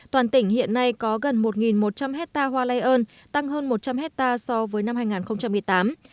toàn tỉnh hiện nay có gần một một trăm linh hectare hoa lây ơn tăng hơn một trăm linh hectare so với năm hai nghìn một mươi tám